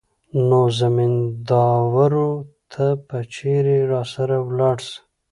نو زمينداورو ته به چېرې راسره ولاړه سي.